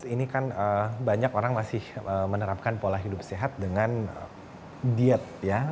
ini kan banyak orang masih menerapkan pola hidup sehat dengan diet ya